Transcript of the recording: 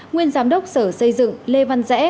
nguyên giám đốc sở xây dựng lê văn rẽ